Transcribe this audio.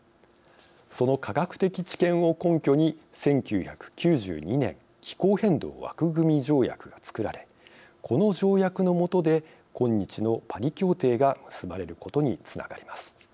その科学的知見を根拠に１９９２年気候変動枠組条約が作られこの条約の下で今日のパリ協定が結ばれることにつながります。